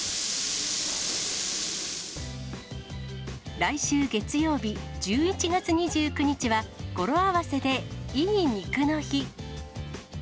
来週月曜日、１１月２９日は、語呂合わせで、イイニクの日。